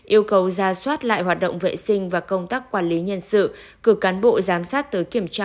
yêu cầu ra soát lại hoạt động vệ sinh và công tác quản lý nhân sự cử cán bộ giám sát tới kiểm tra